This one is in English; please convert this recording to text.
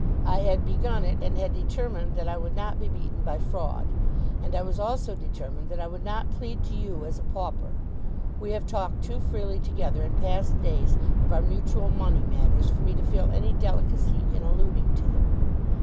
I had begun it and had determined that I would not be beaten by fraud. And I was also determined that I would not plead to you as a pauper. We have talked too freely together in past days of our mutual money matters for me to feel any delicacy in alluding to them.